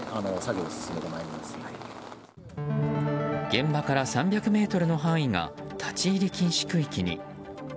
現場から３００ｍの範囲が立ち入り禁止区域に。